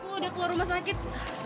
oh udah keluar rumah sakit